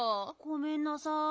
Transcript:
ごめんなさい。